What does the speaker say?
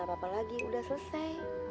apa apa lagi udah selesai